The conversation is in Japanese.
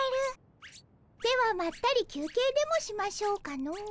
ではまったり休憩でもしましょうかの。